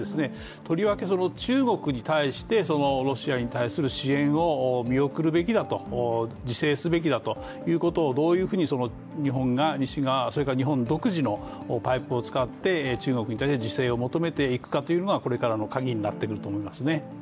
とりわけ中国に対してロシアに対する支援を見送るべきだと、自制すべきだということをどういうふうに日本が西側、それから日本独自のパイプを使って中国に対して自制を求めていくということがこれからのカギになってくると思いますね。